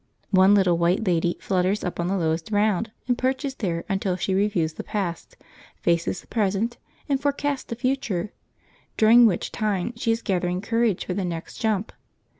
One little white lady flutters up on the lowest round and perches there until she reviews the past, faces the present, and forecasts the future; during which time she is gathering courage for the next jump.